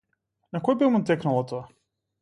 На кој би му текнало тоа?